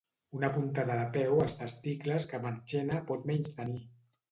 Una puntada de peu als testicles que Marchena pot menystenir.